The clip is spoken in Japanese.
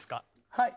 はい。